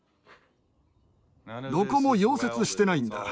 どこも溶接してないんだ。